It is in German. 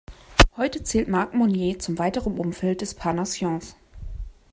Heute zählt man Marc Monnier zum weiteren Umfeld der "Parnassiens".